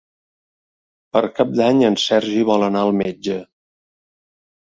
Per Cap d'Any en Sergi vol anar al metge.